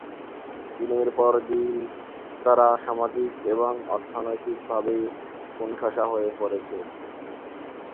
দিনের পর দিন তারা সামাজিক এবং অর্থনৈতিক ভাবে কোণঠাসা হয়ে পড়েছেন।